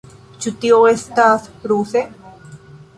Ĉu tio estas ruse?